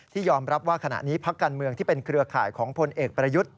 ยอมรับว่าขณะนี้พักการเมืองที่เป็นเครือข่ายของพลเอกประยุทธ์